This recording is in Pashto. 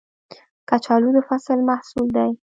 کچالو د فصل محصول دی